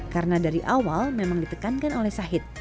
karena dari awal memang ditekankan oleh sahid